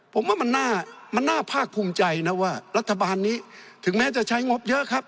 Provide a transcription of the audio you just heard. ผมว่ามันน่าภาคภูมิใจนะว่ารัฐบาลนี้ถึงแม้จะใช้งบเยอะครับ